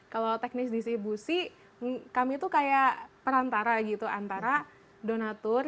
kalau teknis distribusi kami tuh kayak perantara gitu antara donatur